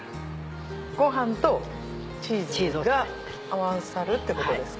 ご飯とチーズが合わさるってことですか？